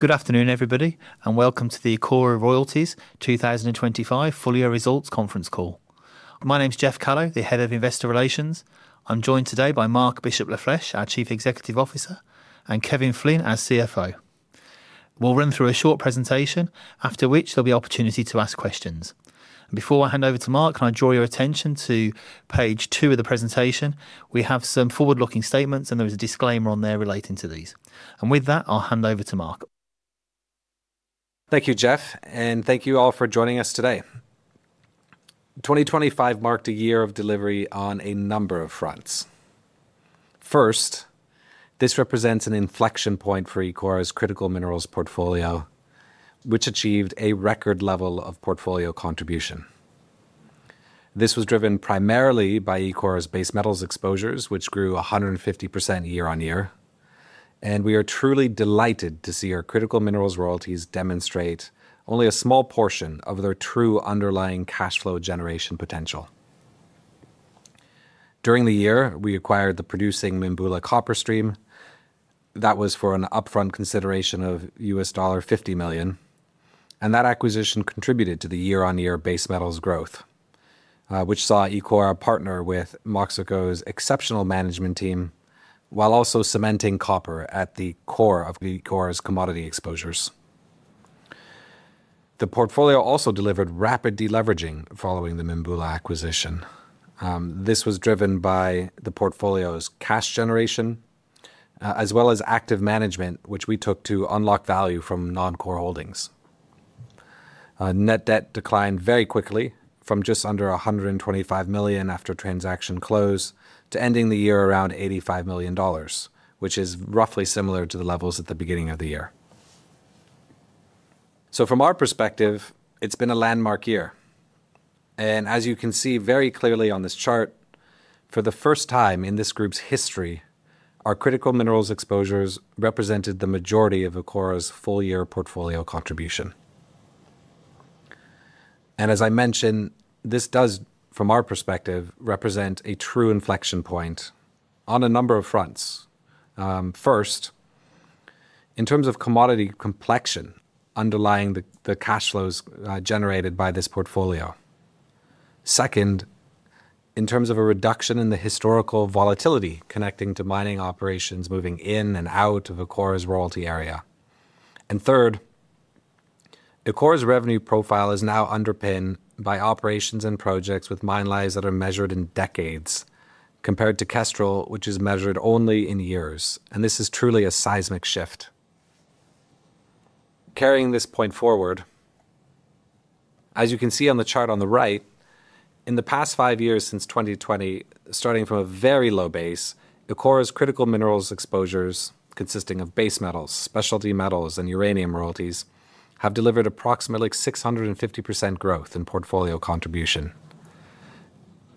Good afternoon, everybody, and welcome to the Ecora Royalties 2025 full year results conference call. My name's Geoff Callow, the Head of Investor Relations. I'm joined today by Marc Bishop Lafleche, our Chief Executive Officer, and Kevin Flynn, our CFO. We'll run through a short presentation, after which there'll be opportunity to ask questions. Before I hand over to Marc, can I draw your attention to page 2 of the presentation. We have some forward-looking statements, and there is a disclaimer on there relating to these. With that, I'll hand over to Marc. Thank you, Geoff, and thank you all for joining us today. 2025 marked a year of delivery on a number of fronts. First, this represents an inflection point for Ecora's critical minerals portfolio, which achieved a record level of portfolio contribution. This was driven primarily by Ecora's base metals exposures, which grew 150% year-on-year, and we are truly delighted to see our critical minerals royalties demonstrate only a small portion of their true underlying cash flow generation potential. During the year, we acquired the producing Mimbula copper stream. That was for an upfront consideration of $50 million, and that acquisition contributed to the year-on-year base metals growth, which saw Ecora partner with Moxico's exceptional management team while also cementing copper at the core of Ecora's commodity exposures. The portfolio also delivered rapid deleveraging following the Mimbula acquisition. This was driven by the portfolio's cash generation, as well as active management, which we took to unlock value from non-core holdings. Net debt declined very quickly from just under $125 million after transaction close to ending the year around $85 million, which is roughly similar to the levels at the beginning of the year. From our perspective, it's been a landmark year. As you can see very clearly on this chart, for the first time in this group's history, our critical minerals exposures represented the majority of Ecora's full year portfolio contribution. As I mentioned, this does, from our perspective, represent a true inflection point on a number of fronts. First, in terms of commodity complexion underlying the cash flows generated by this portfolio. Second, in terms of a reduction in the historical volatility connecting to mining operations moving in and out of Ecora's royalty area. Third, Ecora's revenue profile is now underpinned by operations and projects with mine lives that are measured in decades compared to Kestrel, which is measured only in years. This is truly a seismic shift. Carrying this point forward, as you can see on the chart on the right, in the past five years since 2020, starting from a very low base, Ecora's critical minerals exposures consisting of base metals, specialty metals, and uranium royalties have delivered approximately 650% growth in portfolio contribution.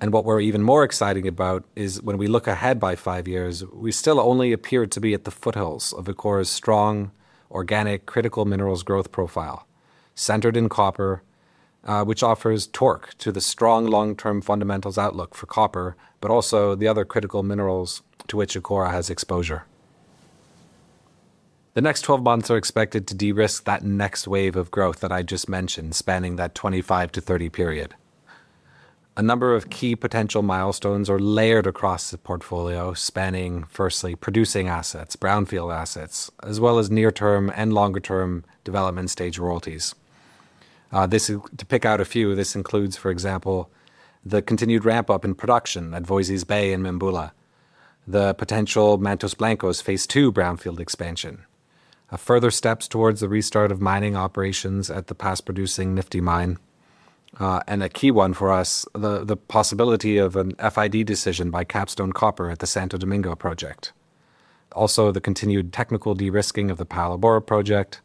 What we're even more excited about is when we look ahead by five years, we still only appear to be at the foothills of Ecora's strong organic critical minerals growth profile centered in copper, which offers torque to the strong long-term fundamentals outlook for copper, but also the other critical minerals to which Ecora has exposure. The next 12 months are expected to de-risk that next wave of growth that I just mentioned, spanning that 2025-2030 period. A number of key potential milestones are layered across the portfolio, spanning firstly, producing assets, brownfield assets, as well as near-term and longer-term development stage royalties. To pick out a few, this includes, for example, the continued ramp up in production at Voisey's Bay and Mimbula, the potential Mantos Blancos Phase II brownfield expansion, a further steps towards the restart of mining operations at the past producing Nifty Mine, and a key one for us, the possibility of an FID decision by Capstone Copper at the Santo Domingo project. Also, the continued technical de-risking of the Palabora project,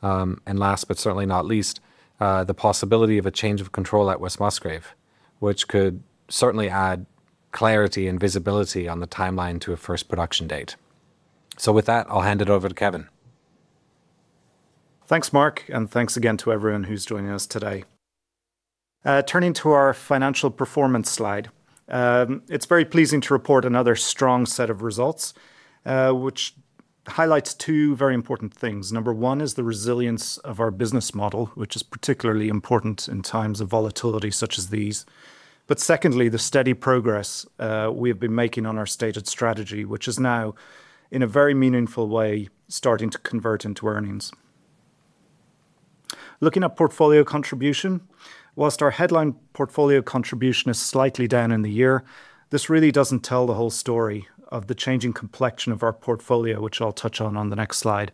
and last but certainly not least, the possibility of a change of control at West Musgrave, which could certainly add clarity and visibility on the timeline to a first production date. With that, I'll hand it over to Kevin. Thanks, Marc, and thanks again to everyone who's joining us today. Turning to our financial performance slide, it's very pleasing to report another strong set of results, which highlights two very important things. Number 1 is the resilience of our business model, which is particularly important in times of volatility such as these. Secondly, the steady progress we have been making on our stated strategy, which is now in a very meaningful way starting to convert into earnings. Looking at portfolio contribution, while our headline portfolio contribution is slightly down in the year, this really doesn't tell the whole story of the changing complexion of our portfolio, which I'll touch on on the next slide,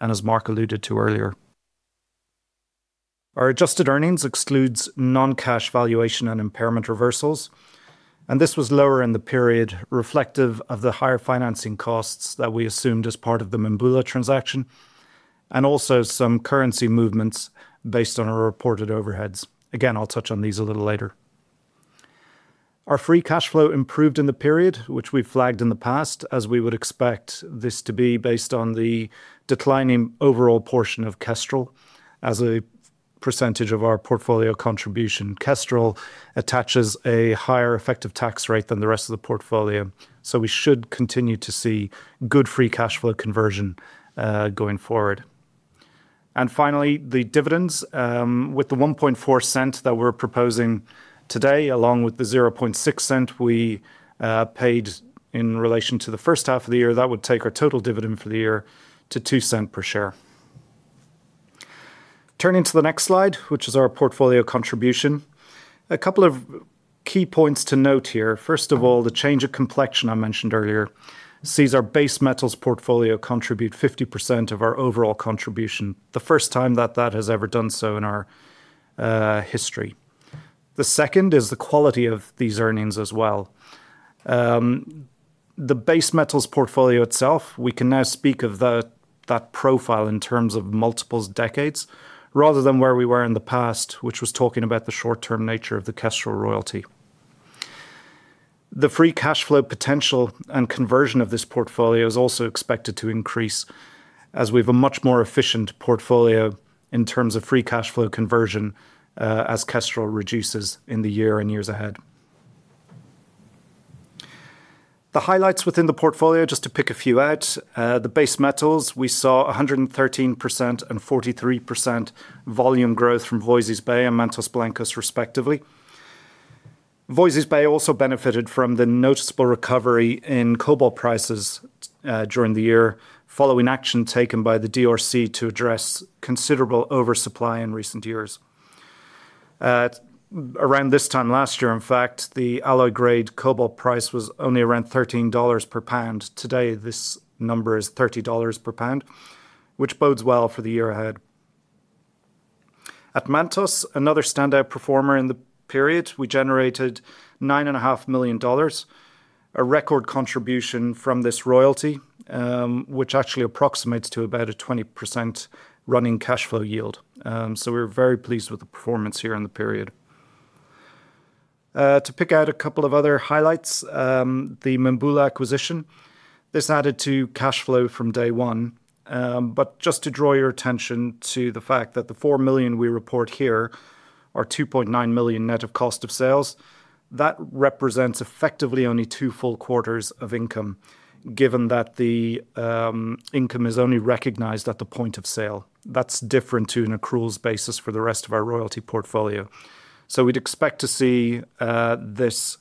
and as Marc alluded to earlier. Our adjusted earnings excludes non-cash valuation and impairment reversals, and this was lower in the period reflective of the higher financing costs that we assumed as part of the Mimbula transaction, and also some currency movements based on our reported overheads. Again, I'll touch on these a little later. Our free cash flow improved in the period, which we flagged in the past as we would expect this to be based on the declining overall portion of Kestrel as a percentage of our portfolio contribution. Kestrel attaches a higher effective tax rate than the rest of the portfolio, so we should continue to see good free cash flow conversion, going forward. Finally, the dividends, with the $0.014 that we're proposing today, along with the $0.06 We paid in relation to the first half of the year, that would take our total dividend for the year to $0.2 per share. Turning to the next slide, which is our portfolio contribution, a couple of key points to note here. First of all, the change of complexion I mentioned earlier sees our base metals portfolio contribute 50% of our overall contribution, the first time that has ever done so in our history. The second is the quality of these earnings as well. The base metals portfolio itself, we can now speak of that profile in terms of multiple decades, rather than where we were in the past, which was talking about the short-term nature of the Kestrel royalty. The free cash flow potential and conversion of this portfolio is also expected to increase as we've a much more efficient portfolio in terms of free cash flow conversion, as Kestrel reduces in the year and years ahead. The highlights within the portfolio, just to pick a few out, the base metals, we saw 113% and 43% volume growth from Voisey's Bay and Mantos Blancos respectively. Voisey's Bay also benefited from the noticeable recovery in cobalt prices, during the year, following action taken by the DRC to address considerable oversupply in recent years. At around this time last year, in fact, the alloy grade cobalt price was only around $13 per pound. Today, this number is $30 per pound, which bodes well for the year ahead. At Mantos, another standout performer in the period, we generated $9.5 million, a record contribution from this royalty, which actually approximates to about a 20% running cash flow yield. We're very pleased with the performance here in the period. To pick out a couple of other highlights, the Mimbula acquisition, this added to cash flow from day one. Just to draw your attention to the fact that the $4 million we report here are $2.9 million net of cost of sales, that represents effectively only two full quarters of income, given that the income is only recognized at the point of sale. That's different to an accruals basis for the rest of our royalty portfolio. We'd expect to see this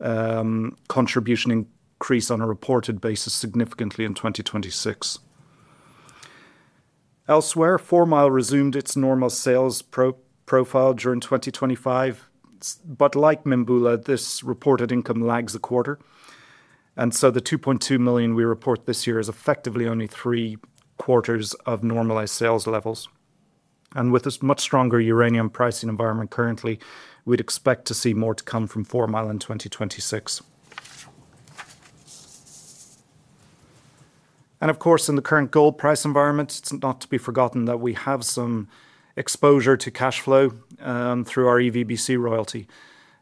contribution increase on a reported basis significantly in 2026. Elsewhere, Four Mile resumed its normal sales profile during 2025, but like Mimbula, this reported income lags a quarter. The $2.2 Million we report this year is effectively only three quarters of normalized sales levels. With this much stronger uranium pricing environment currently, we'd expect to see more to come from Four Mile in 2026. Of course, in the current gold price environment, it's not to be forgotten that we have some exposure to cash flow through our EVBC royalty,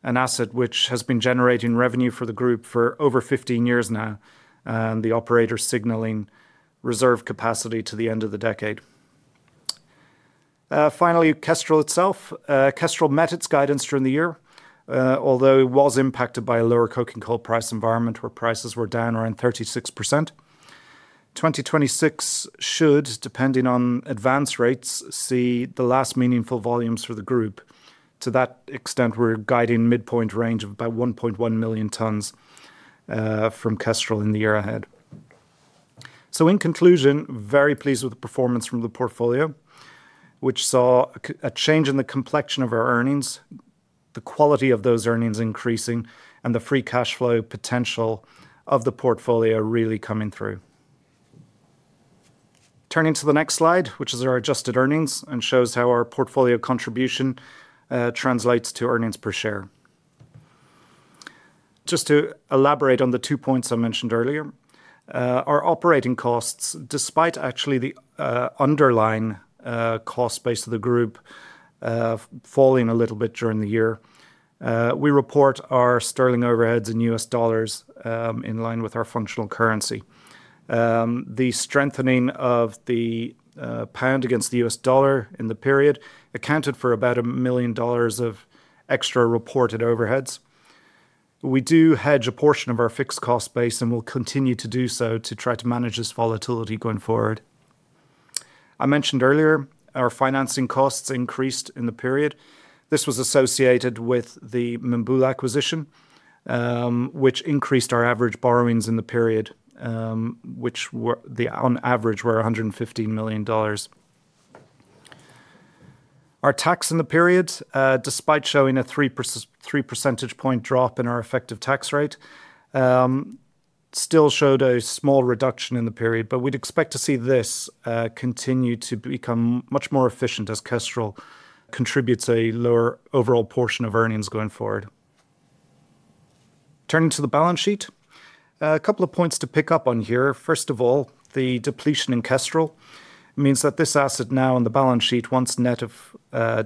an asset which has been generating revenue for the group for over 15 years now, and the operator signaling reserve capacity to the end of the decade. Finally, Kestrel itself. Kestrel met its guidance during the year, although it was impacted by a lower coking coal price environment where prices were down around 36%. 2026 should, depending on advance rates, see the last meaningful volumes for the group. To that extent, we're guiding midpoint range of about 1.1 million tonnes from Kestrel in the year ahead. In conclusion, very pleased with the performance from the portfolio, which saw a change in the complexion of our earnings, the quality of those earnings increasing, and the free cash flow potential of the portfolio really coming through. Turning to the next slide, which is our adjusted earnings and shows how our portfolio contribution translates to earnings per share. Just to elaborate on the two points I mentioned earlier, our operating costs, despite actually the underlying cost base of the group falling a little bit during the year, we report our sterling overheads in U.S. dollars in line with our functional currency. The strengthening of the pound against the U.S. dollar in the period accounted for about $1 million of extra reported overheads. We do hedge a portion of our fixed cost base, and we'll continue to do so to try to manage this volatility going forward. I mentioned earlier, our financing costs increased in the period. This was associated with the Mimbula acquisition, which increased our average borrowings in the period, which, on average, were $150 million. Our tax in the period, despite showing a three percentage point drop in our effective tax rate, still showed a small reduction in the period, but we'd expect to see this continue to become much more efficient as Kestrel contributes a lower overall portion of earnings going forward. Turning to the balance sheet, a couple of points to pick up on here. First of all, the depletion in Kestrel means that this asset now on the balance sheet, once net of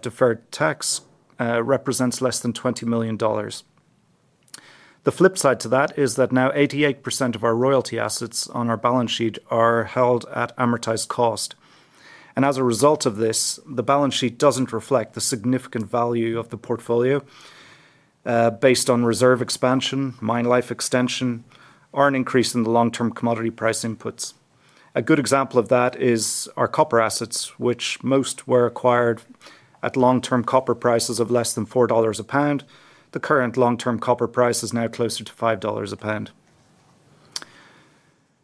deferred tax, represents less than $20 million. The flip side to that is that now 88% of our royalty assets on our balance sheet are held at amortized cost. As a result of this, the balance sheet doesn't reflect the significant value of the portfolio based on reserve expansion, mine life extension, or an increase in the long-term commodity price inputs. A good example of that is our copper assets, which most were acquired at long-term copper prices of less than $4 a pound. The current long-term copper price is now closer to $5 a pound.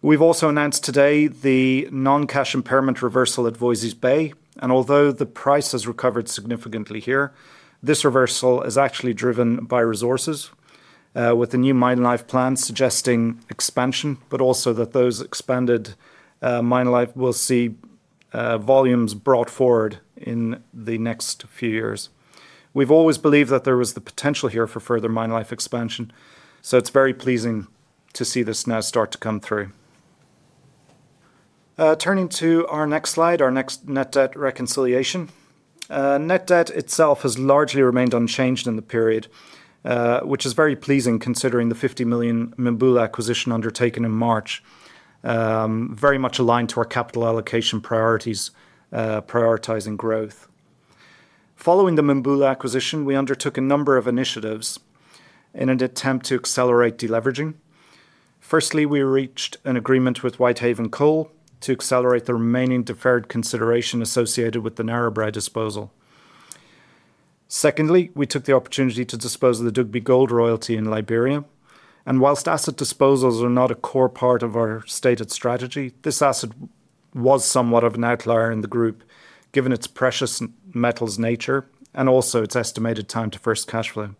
We've also announced today the non-cash impairment reversal at Voisey's Bay, and although the price has recovered significantly here, this reversal is actually driven by resources, with the new mine life plan suggesting expansion, but also that those expanded mine life will see volumes brought forward in the next few years. We've always believed that there was the potential here for further mine life expansion, so it's very pleasing to see this now start to come through. Turning to our next slide, our next net debt reconciliation. Net debt itself has largely remained unchanged in the period, which is very pleasing considering the 50 million Mimbula acquisition undertaken in March, very much aligned to our capital allocation priorities, prioritizing growth. Following the Mimbula acquisition, we undertook a number of initiatives in an attempt to accelerate deleveraging. Firstly, we reached an agreement with Whitehaven Coal to accelerate the remaining deferred consideration associated with the Narrabri disposal. Secondly, we took the opportunity to dispose of the Dugbe Gold Royalty in Liberia, and whilst asset disposals are not a core part of our stated strategy, this asset was somewhat of an outlier in the group, given its precious metals nature and also its estimated time to first cash flow.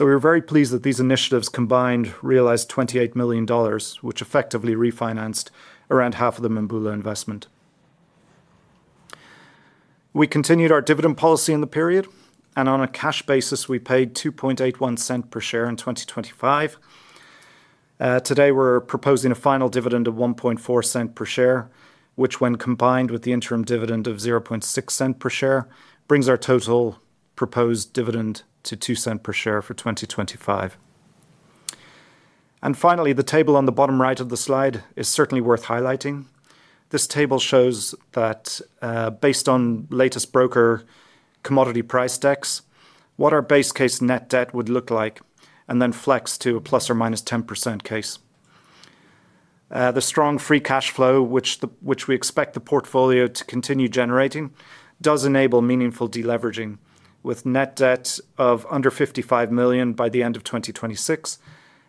We were very pleased that these initiatives combined realized $28 million, which effectively refinanced around half of the Mimbula investment. We continued our dividend policy in the period, and on a cash basis, we paid $0.0281 per share in 2025. Today we're proposing a final dividend of $0.014 per share, which when combined with the interim dividend of $0.006 per share, brings our total proposed dividend to $0.02 per share for 2025. Finally, the table on the bottom right of the slide is certainly worth highlighting. This table shows that, based on latest broker commodity price decks, what our base case net debt would look like, and then flex to a ±10% case. The strong free cash flow, which we expect the portfolio to continue generating, does enable meaningful deleveraging with net debt of under $55 million by the end of 2026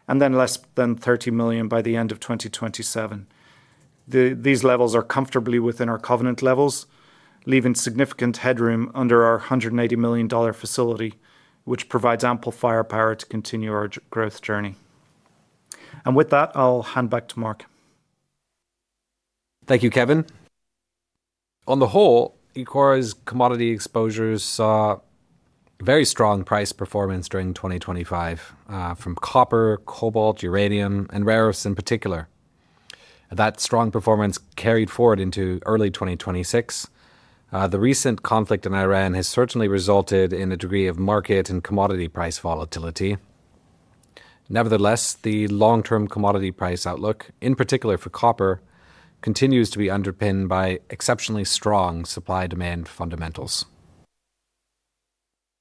and then less than $30 million by the end of 2027. These levels are comfortably within our covenant levels, leaving significant headroom under our $180 million facility, which provides ample firepower to continue our growth journey. With that, I'll hand back to Marc. Thank you, Kevin. On the whole, Ecora's commodity exposures saw very strong price performance during 2025, from copper, cobalt, uranium, and rare earths in particular. That strong performance carried forward into early 2026. The recent conflict in Iran has certainly resulted in a degree of market and commodity price volatility. Nevertheless, the long-term commodity price outlook, in particular for copper, continues to be underpinned by exceptionally strong supply-demand fundamentals.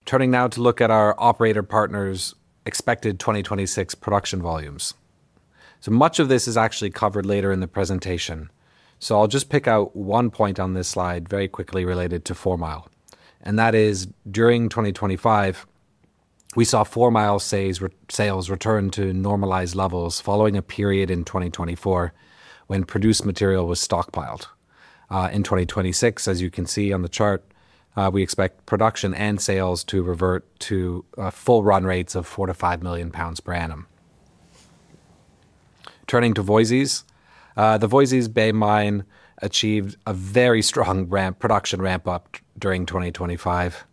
Turning now to look at our operator partners' expected 2026 production volumes. Much of this is actually covered later in the presentation, so I'll just pick out one point on this slide very quickly related to Four Mile, and that is during 2025, we saw Four Mile sales return to normalized levels following a period in 2024 when produced material was stockpiled. In 2026, as you can see on the chart, we expect production and sales to revert to full run rates of 4 million lbs-5 million lbs per annum. Turning to Voisey's. The Voisey's Bay mine achieved a very strong production ramp-up during 2025,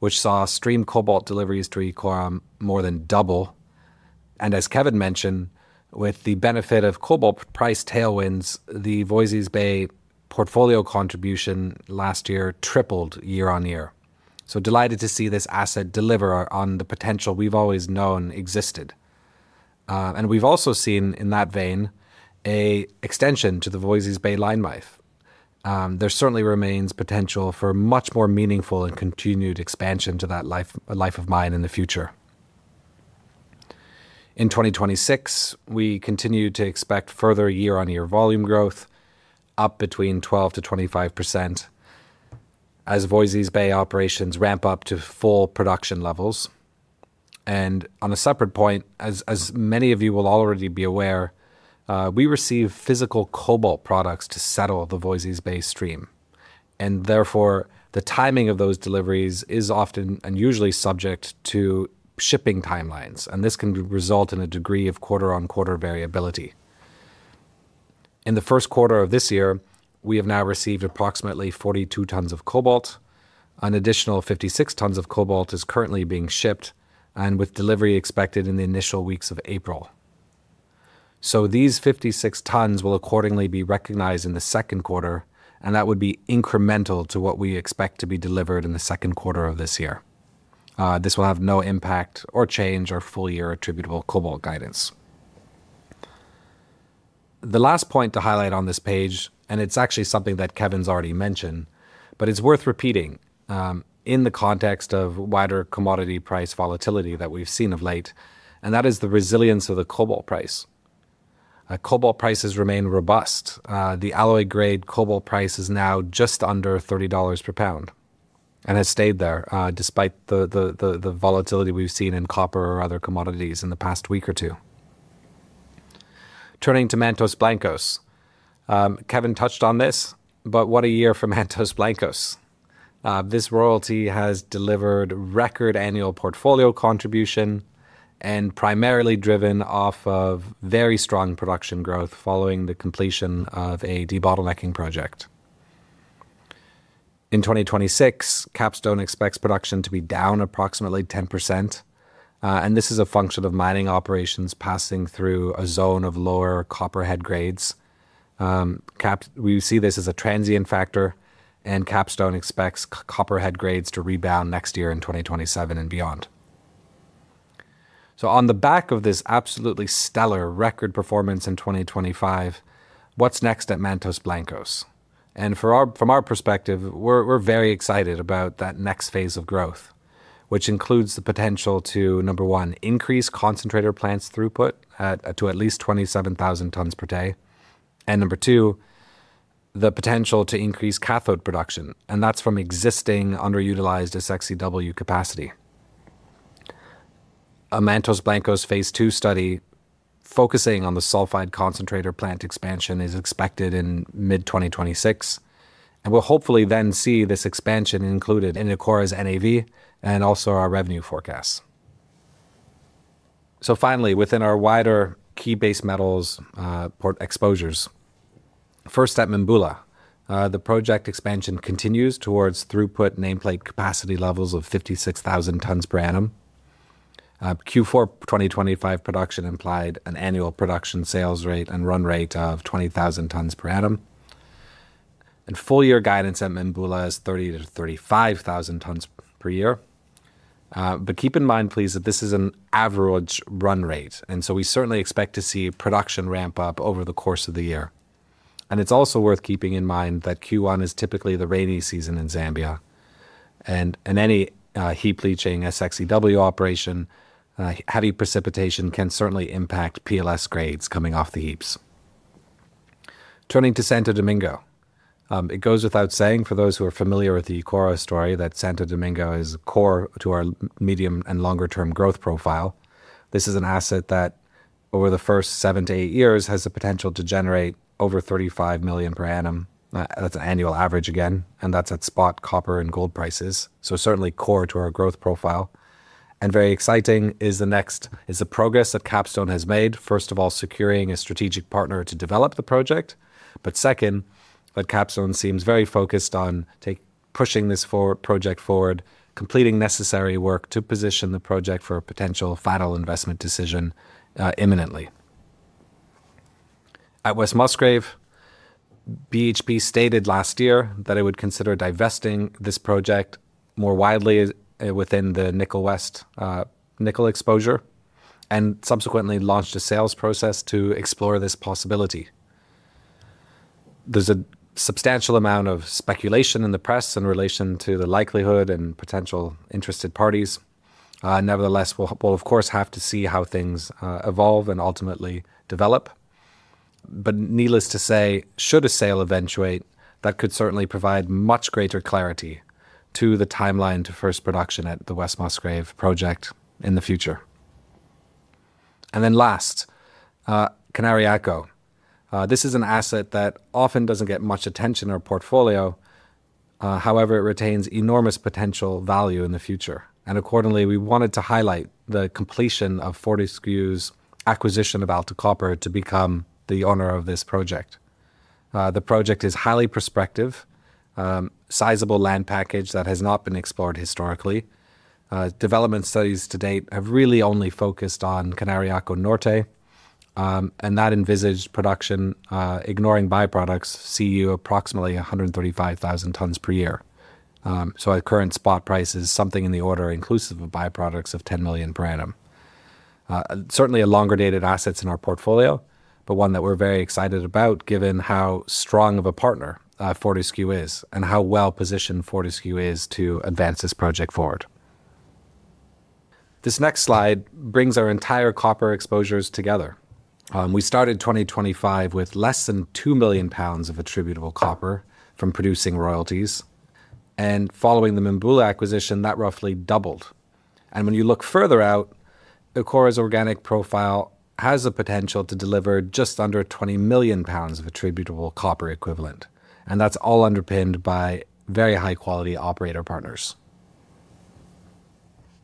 which saw streamed cobalt deliveries to Ecora more than double. As Kevin mentioned, with the benefit of cobalt price tailwinds, the Voisey's Bay portfolio contribution last year tripled year on year. Delighted to see this asset deliver on the potential we've always known existed. We've also seen, in that vein, an extension to the Voisey's Bay mine life. There certainly remains potential for much more meaningful and continued expansion to that life of mine in the future. In 2026, we continue to expect further year-on-year volume growth, up between 12%-25%, as Voisey's Bay operations ramp up to full production levels. On a separate point, as many of you will already be aware, we receive physical cobalt products to settle the Voisey's Bay stream, and therefore the timing of those deliveries is often and usually subject to shipping timelines, and this can result in a degree of quarter-on-quarter variability. In the first quarter of this year, we have now received approximately 42 tons of cobalt. An additional 56 tons of cobalt is currently being shipped and with delivery expected in the initial weeks of April. These 56 tons will accordingly be recognized in the second quarter, and that would be incremental to what we expect to be delivered in the second quarter of this year. This will have no impact or change our full year attributable cobalt guidance. The last point to highlight on this page, and it's actually something that Kevin's already mentioned, but it's worth repeating, in the context of wider commodity price volatility that we've seen of late, and that is the resilience of the cobalt price. Cobalt prices remain robust. The alloy grade cobalt price is now just under $30 per pound and has stayed there, despite the volatility we've seen in copper or other commodities in the past week or two. Turning to Mantos Blancos. Kevin touched on this, but what a year for Mantos Blancos. This royalty has delivered record annual portfolio contribution and primarily driven off of very strong production growth following the completion of a debottlenecking project. In 2026, Capstone expects production to be down approximately 10%, and this is a function of mining operations passing through a zone of lower copper head grades. We see this as a transient factor, and Capstone expects copper head grades to rebound next year in 2027 and beyond. On the back of this absolutely stellar record performance in 2025, what's next at Mantos Blancos? From our perspective, we're very excited about that next phase of growth, which includes the potential to, number 1, increase concentrator plants throughput to at least 27,000 tons per day. Number two, the potential to increase cathode production, and that's from existing underutilized SX/EW capacity. A Mantos Blancos Phase II study focusing on the sulfide concentrator plant expansion is expected in mid-2026, and we'll hopefully then see this expansion included in Ecora's NAV and also our revenue forecasts. Finally, within our wider key base metals portfolio exposures. First at Mibula, the project expansion continues towards throughput nameplate capacity levels of 56,000 tons per annum. Q4 2025 production implied an annual production sales rate and run rate of 20,000 tons per annum. Full year guidance at Mimbula is 30,000-35,000 tons per year. But keep in mind, please, that this is an average run rate, and so we certainly expect to see production ramp up over the course of the year. It's also worth keeping in mind that Q1 is typically the rainy season in Zambia and any heap leaching SX/EW operation heavy precipitation can certainly impact PLS grades coming off the heaps. Turning to Santo Domingo. It goes without saying for those who are familiar with the Ecora story, that Santo Domingo is core to our medium and longer term growth profile. This is an asset that over the first 7-8 years has the potential to generate over 35 million per annum. That's annual average again, and that's at spot copper and gold prices. Certainly core to our growth profile, and very exciting is the progress that Capstone has made, first of all, securing a strategic partner to develop the project. Second, that Capstone seems very focused on pushing this project forward, completing necessary work to position the project for a potential final investment decision imminently. At West Musgrave, BHP stated last year that it would consider divesting this project more widely within the Nickel West nickel exposure, and subsequently launched a sales process to explore this possibility. There's a substantial amount of speculation in the press in relation to the likelihood and potential interested parties. Nevertheless, we'll of course have to see how things evolve and ultimately develop. Needless to say, should a sale eventuate, that could certainly provide much greater clarity to the timeline to first production at the West Musgrave project in the future. Then last, Cañariaco. This is an asset that often doesn't get much attention in our portfolio, however it retains enormous potential value in the future. Accordingly, we wanted to highlight the completion of Fortescue's acquisition of Alta Copper to become the owner of this project. The project is highly prospective, sizable land package that has not been explored historically. Development studies to date have really only focused on Cañariaco Norte, and that envisaged production, ignoring byproducts, Cu approximately 135,000 tons per year. So at current spot prices, something in the order inclusive of byproducts of $10 million per annum. Certainly a longer-dated asset in our portfolio, but one that we're very excited about given how strong of a partner Fortescue is and how well-positioned Fortescue is to advance this project forward. This next slide brings our entire copper exposures together. We started 2025 with less than 2 million lbs of attributable copper from producing royalties, and following the Mimbula acquisition, that roughly doubled. When you look further out, Ecora's organic profile has the potential to deliver just under 20 million lbs of attributable copper equivalent, and that's all underpinned by very high quality operator partners.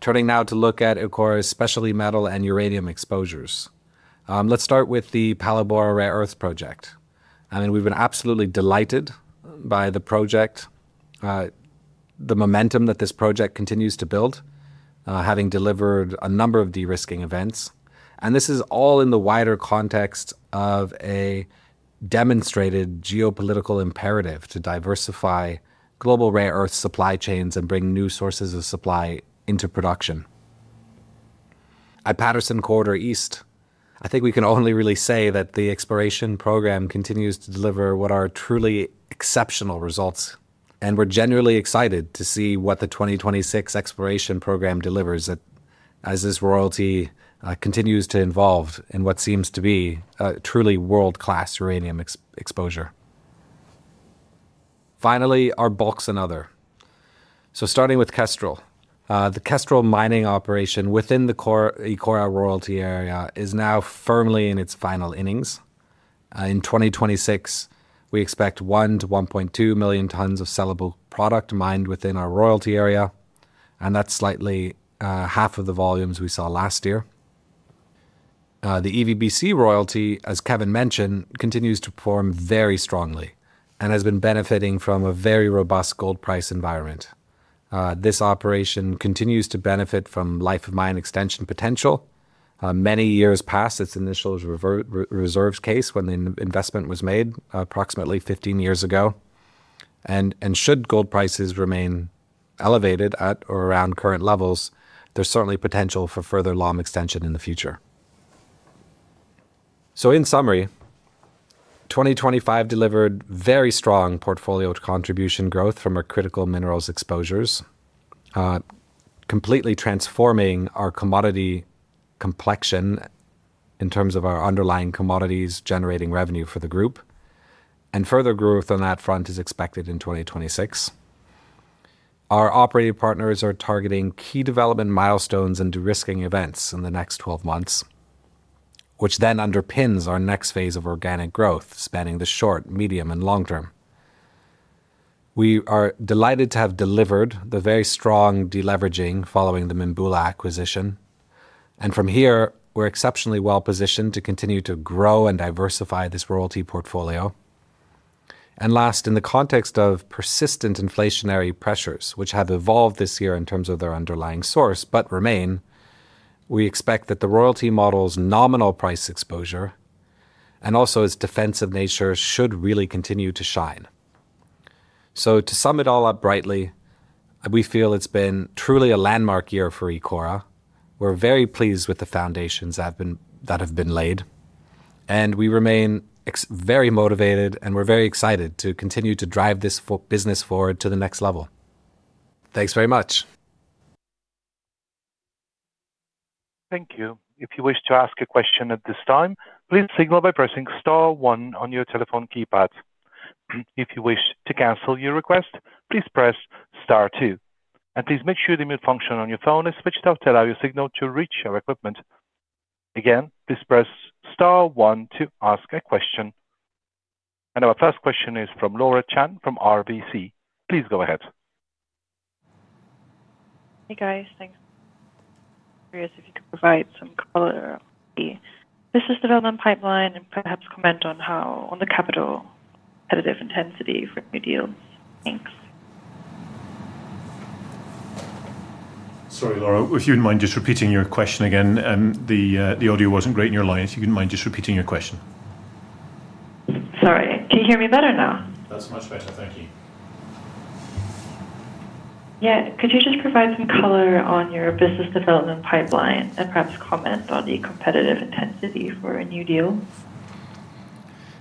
Turning now to look at Ecora's specialty metal and uranium exposures. Let's start with the Palabora Rare Earths Project. I mean, we've been absolutely delighted by the project. The momentum that this project continues to build, having delivered a number of de-risking events, and this is all in the wider context of a demonstrated geopolitical imperative to diversify global rare earth supply chains and bring new sources of supply into production. At Patterson Lake East, I think we can only really say that the exploration program continues to deliver what are truly exceptional results, and we're genuinely excited to see what the 2026 exploration program delivers at, as this royalty continues to evolve in what seems to be a truly world-class uranium exposure. Finally, our bulks and other. Starting with Kestrel. The Kestrel mining operation within the core, Ecora royalty area is now firmly in its final innings. In 2026, we expect 1 million-1.2 million tons of sellable product mined within our royalty area, and that's slightly half of the volumes we saw last year. The EVBC royalty, as Kevin mentioned, continues to perform very strongly and has been benefiting from a very robust gold price environment. This operation continues to benefit from life of mine extension potential, many years past its initial reserves case when the investment was made, approximately 15 years ago. Should gold prices remain elevated at or around current levels, there's certainly potential for further life extension in the future. In summary, 2025 delivered very strong portfolio contribution growth from our critical minerals exposures, completely transforming our commodity complexion in terms of our underlying commodities generating revenue for the group. Further growth on that front is expected in 2026. Our operating partners are targeting key development milestones and de-risking events in the next 12 months, which then underpins our next phase of organic growth spanning the short, medium, and long term. We are delighted to have delivered the very strong de-leveraging following the Mimbula acquisition, and from here, we're exceptionally well-positioned to continue to grow and diversify this royalty portfolio. Last, in the context of persistent inflationary pressures, which have evolved this year in terms of their underlying source but remain, we expect that the royalty model's nominal price exposure and also its defensive nature should really continue to shine. To sum it all up brightly, we feel it's been truly a landmark year for Ecora. We're very pleased with the foundations that have been laid, and we remain very motivated, and we're very excited to continue to drive this business forward to the next level. Thanks very much. Thank you. If you wish to ask a question at this time, please signal by pressing star one on your telephone keypad. If you wish to cancel your request, please press star two. Please make sure the mute function on your phone is switched off to allow your signal to reach our equipment. Again, please press star one to ask a question. Our first question is from Laura Chan from RBC. Please go ahead. Hey, guys. Thanks. Curious if you could provide some color on the business development pipeline and perhaps comment on the capital competitive intensity for new deals. Thanks. Sorry, Laura. If you wouldn't mind just repeating your question again. The audio wasn't great in your line, so if you wouldn't mind just repeating your question. Sorry. Can you hear me better now? That's much better. Thank you. Yeah. Could you just provide some color on your business development pipeline and perhaps comment on the competitive intensity for a new deal?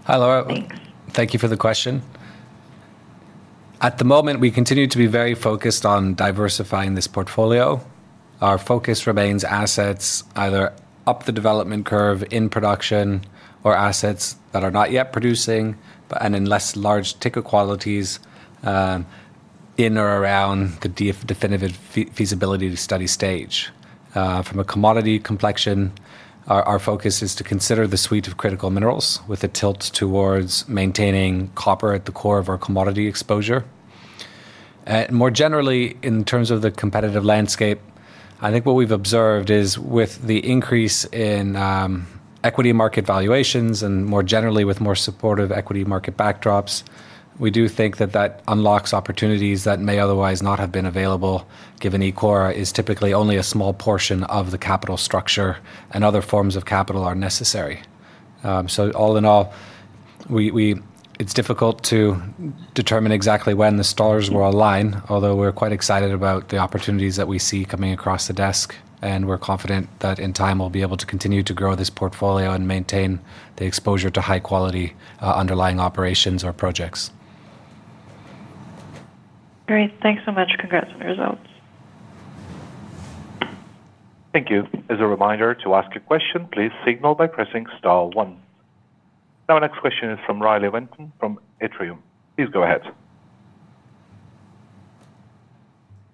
Hi, Laura. Thanks. Thank you for the question. At the moment, we continue to be very focused on diversifying this portfolio. Our focus remains assets either up the development curve in production or assets that are not yet producing, and in less large-ticket qualities, in or around the definitive feasibility study stage. From a commodity complexion, our focus is to consider the suite of critical minerals with a tilt towards maintaining copper at the core of our commodity exposure. More generally, in terms of the competitive landscape, I think what we've observed is with the increase in equity market valuations and more generally with more supportive equity market backdrops, we do think that unlocks opportunities that may otherwise not have been available given Ecora is typically only a small portion of the capital structure and other forms of capital are necessary. All in all, it's difficult to determine exactly when the stars will align, although we're quite excited about the opportunities that we see coming across the desk, and we're confident that in time we'll be able to continue to grow this portfolio and maintain the exposure to high quality underlying operations or projects. Great. Thanks so much. Congrats on the results. Thank you. As a reminder to ask a question, please signal by pressing star one. Our next question is from Riley Venton from Atrium. Please go ahead.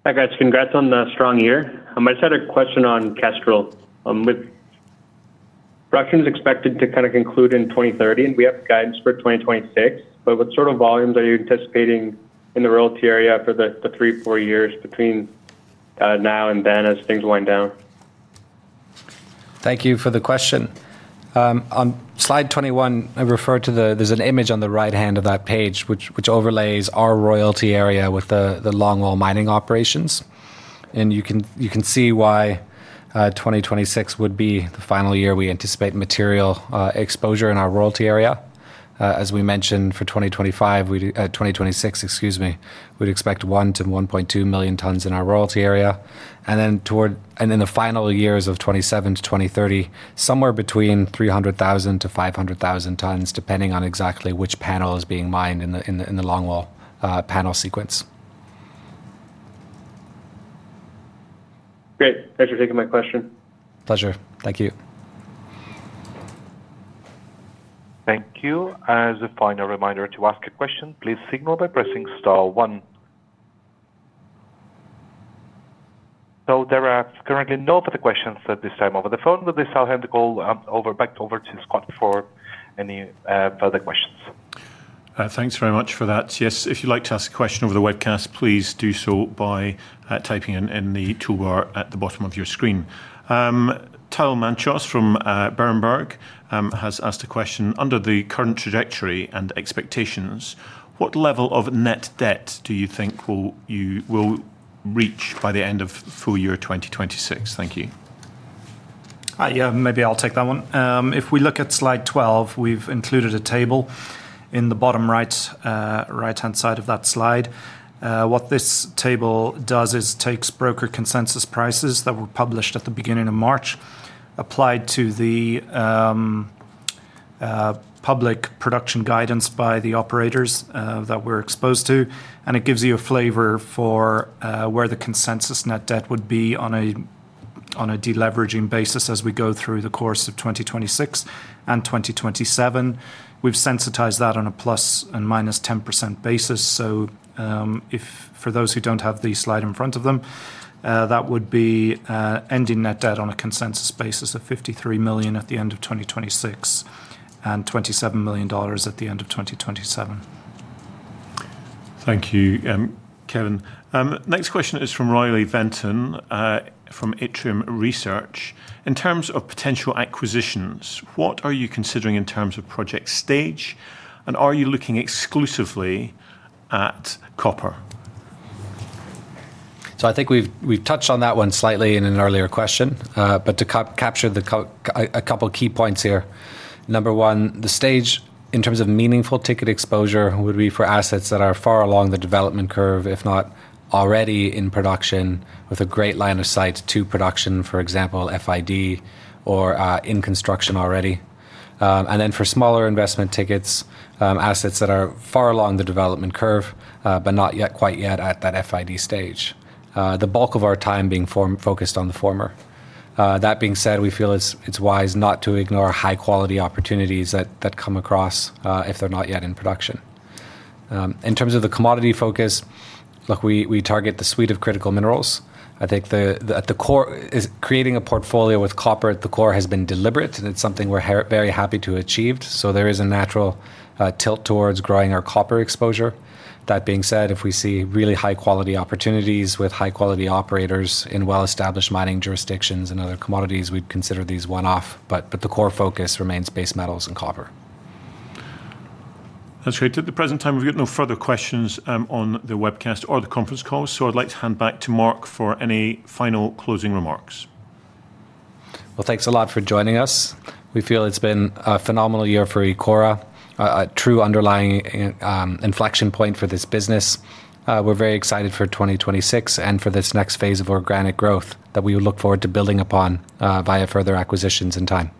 Hi, guys. Congrats on the strong year. I just had a question on Kestrel. With production is expected to kind of conclude in 2030, and we have guidance for 2026, but what sort of volumes are you anticipating in the royalty area for the 3, 4 years between now and then as things wind down? Thank you for the question. On slide 21, I refer to the image on the right-hand of that page which overlays our royalty area with the Longwall mining operations. You can see why 2026 would be the final year we anticipate material exposure in our royalty area. As we mentioned, for 2026, excuse me, we'd expect 1 million-1.2 million tons in our royalty area. In the final years of 2027-2030, somewhere between 300,000-500,000 tons, depending on exactly which panel is being mined in the Longwall panel sequence. Great. Thanks for taking my question. Pleasure. Thank you. Thank you. As a final reminder to ask a question, please signal by pressing star one. There are currently no further questions at this time over the phone, but I'll hand the call back over to Geoff for any further questions. Thanks very much for that. Yes, if you'd like to ask a question over the webcast, please do so by typing in the toolbar at the bottom of your screen. Tilemachos from Berenberg has asked a question. Under the current trajectory and expectations, what level of net debt do you think you will reach by the end of full year 2026? Thank you. Yeah, maybe I'll take that one. If we look at slide 12, we've included a table in the bottom right-hand side of that slide. What this table does is takes broker consensus prices that were published at the beginning of March, applied to the public production guidance by the operators that we're exposed to, and it gives you a flavor for where the consensus net debt would be on a deleveraging basis as we go through the course of 2026 and 2027. We've sensitized that on a ±10% basis. If for those who don't have the slide in front of them, that would be ending net debt on a consensus basis of $53 million at the end of 2026 and $27 million at the end of 2027. Thank you, Kevin. Next question is from Riley Venton from Atrium Research. In terms of potential acquisitions, what are you considering in terms of project stage, and are you looking exclusively at copper? I think we've touched on that one slightly in an earlier question. To capture a couple key points here. Number 1, the stage in terms of meaningful ticket exposure would be for assets that are far along the development curve, if not already in production, with a great line of sight to production, for example, FID or in construction already. For smaller investment tickets, assets that are far along the development curve, but not yet quite yet at that FID stage. The bulk of our time being firm-focused on the former. That being said, we feel it's wise not to ignore high quality opportunities that come across, if they're not yet in production. In terms of the commodity focus, we target the suite of critical minerals. I think at the core is creating a portfolio with copper at the core has been deliberate, and it's something we're very happy to have achieved. There is a natural tilt towards growing our copper exposure. That being said, if we see really high-quality opportunities with high-quality operators in well-established mining jurisdictions and other commodities, we'd consider these one-off, but the core focus remains base metals and copper. That's great. At the present time, we've got no further questions on the webcast or the conference call, so I'd like to hand back to Marc for any final closing remarks. Well, thanks a lot for joining us. We feel it's been a phenomenal year for Ecora, a true underlying inflection point for this business. We're very excited for 2026 and for this next phase of organic growth that we look forward to building upon via further acquisitions and time.